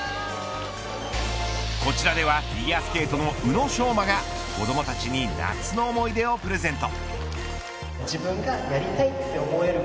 こちらではフィギュアスケートの宇野昌磨が子どもたちに夏の思い出をプレゼント。